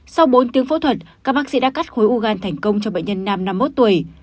sau bốn tiếng phẫu thuật các bác sĩ đã cắt khối ugan thành công cho bệnh nhân nam năm mươi một tuổi